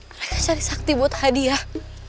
mereka cari sakti buat hadiah